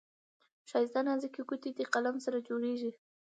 ښايسته نازكي ګوتې دې قلم سره جوړیږي.